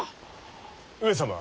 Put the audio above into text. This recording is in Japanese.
上様。